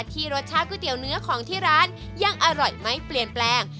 รสชาติก๋วยเตี๋ยวเนื้อของที่ร้านยังอร่อยไม่เปลี่ยนแปลง